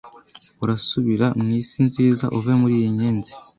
Urasubira mwisi nziza uva muriyi nyenzi